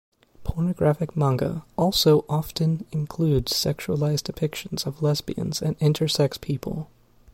Pornographic manga also often includes sexualised depictions of lesbians and intersex people.